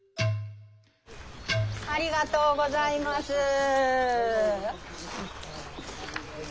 ありがとうございます。